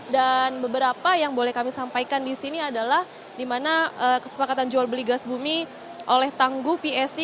dan beberapa yang boleh kami sampaikan di sini adalah di mana kesepakatan jual beli gas bumi oleh tangguh psi